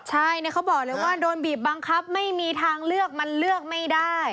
ใช่เขาบอกเลยว่าโดนบีบบังคับไม่มีทางเลือกมันเลือกไม่ได้